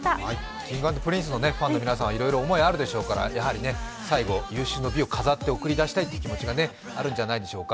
Ｋｉｎｇ＆Ｐｒｉｎｃｅのファンの皆さんはいろいろ思いがあるでしょうから、やはり最後、有終の美を飾って送り出したいという思いがあるんじゃないでしょうか。